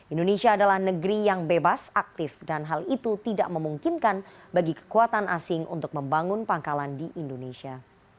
indonesia adalah negeri yang bebas aktif dan hal itu tidak memungkinkan bagi kekuatan asing untuk membangun pangkalan di indonesia